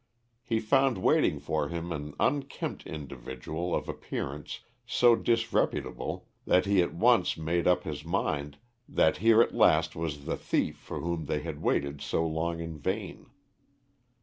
He found waiting for him an unkempt individual of appearance so disreputable, that he at once made up his mind that here at last was the thief for whom they had waited so long in vain.